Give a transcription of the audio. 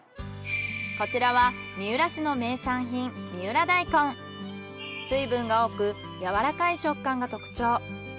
こちらは三浦市の名産品水分が多くやわらかい食感が特徴。